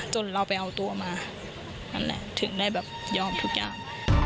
เราไปเอาตัวมานั่นแหละถึงได้แบบยอมทุกอย่าง